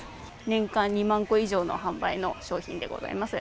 年間２万個以上の販売の商品でございます。